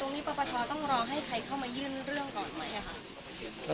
อยู่แล้วครับ